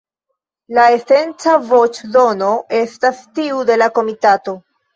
La esenca voĉdono estas tiu de la Komitato.